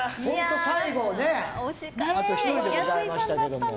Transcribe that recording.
最後あと１人でございましたけども。